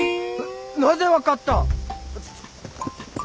なぜ分かった！？